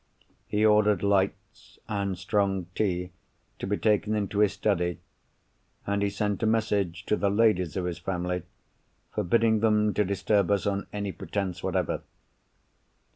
He ordered lights, and strong tea, to be taken into his study; and he sent a message to the ladies of his family, forbidding them to disturb us on any pretence whatever.